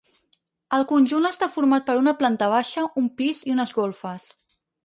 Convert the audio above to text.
El conjunt està format per una planta baixa, un pis i unes golfes.